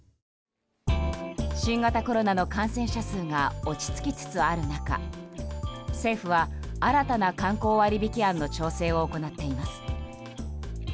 新型コロナの感染者数が落ち着きつつある中政府は、新たな観光割引案の調整を行っています。